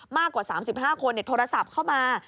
ผู้ปกครองมากกว่า๓๕คนเนี่ยโทรศัพท์เข้ามา